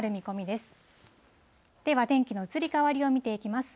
では天気の移り変わりを見ていきます。